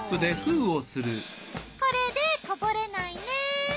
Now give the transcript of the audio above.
これでこぼれないね。